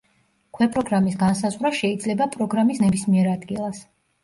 ქვეპროგრამის განსაზღვრა შეიძლება პროგრამის ნებისმიერ ადგილას.